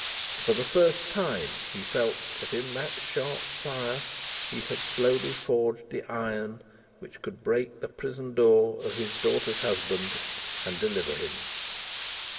For the first time he felt that in that sharp fire, he had slowly forged the iron which could break the prison door of his daughter's husband, and deliver him.